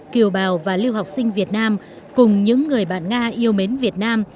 kiều bào và lưu học sinh việt nam cùng những người bạn nga yêu mến việt nam